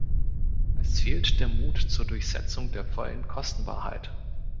Es fehlt der Mut zur Durchsetzung der vollen Kostenwahrheit.